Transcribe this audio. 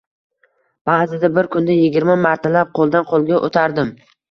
Ba`zida bir kunda yigirma martalab qo`ldan-qo`lga o`tardim